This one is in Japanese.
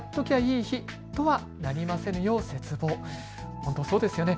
本当そうですよね。